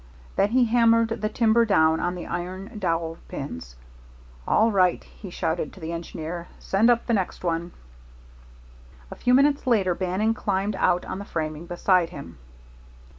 Then he hammered the timber down on the iron dowel pins. "All right," he shouted to the engineer; "send up the next one." A few minutes later Bannon climbed out on the framing beside him.